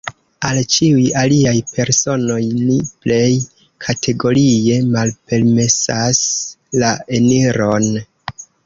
Al ĉiuj aliaj personoj ni plej kategorie malpermesas la eniron.